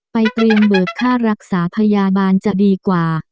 เตรียมเบิกค่ารักษาพยาบาลจะดีกว่า